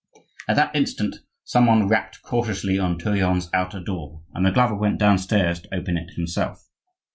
At that instant some one rapped cautiously on Tourillon's outer door, and the glover went downstairs to open it himself.